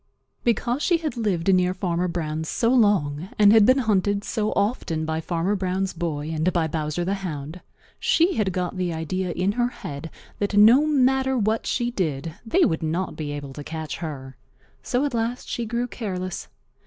Because she had lived near Farmer Brown's so long and had been hunted so often by Farmer Brown's boy and by Bowser the Hound, she had got the idea in her head that no matter what she did they would not be able to catch her. So at last she grew careless.